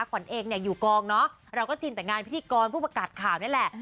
ขวัญเองเนี่ยอยู่กองเนาะเราก็ชินแต่งานพิธีกรผู้ประกาศข่าวนี่แหละ